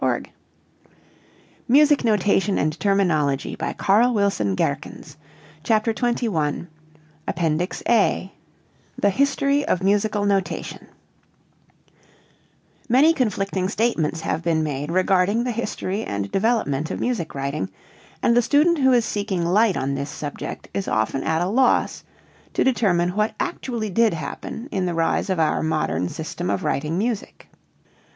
Also used occasionally to refer to a passage where all performers do take part. APPENDIX A THE HISTORY OF MUSIC NOTATION Many conflicting statements have been made regarding the history and development of music writing, and the student who is seeking light on this subject is often at a loss to determine what actually did happen in the rise of our modern system of writing music.